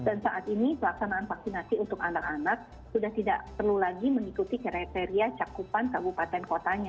awalnya waktu ini pelaksanaan vaksinasi untuk anak anak sudah tidak perlu lagi mengikuti kriteria cakupan kabupaten kompline ya